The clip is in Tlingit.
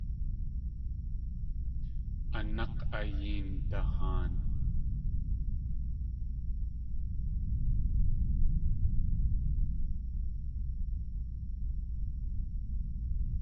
A nák̲ ayeendahaan!